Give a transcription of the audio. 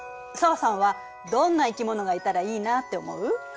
紗和さんはどんな生き物がいたらいいなって思う？